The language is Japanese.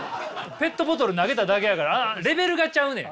ペットボトル投げただけやからレベルがちゃうねん。